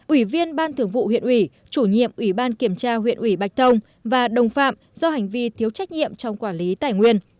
ủy viên ban thường vụ huyện ủy chủ nhiệm ủy ban kiểm tra huyện ủy bạch thông và đồng phạm do hành vi thiếu trách nhiệm trong quản lý tài nguyên